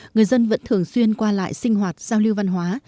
người dân vẫn thường xuyên qua lại sinh hoạt giao lưu văn hóa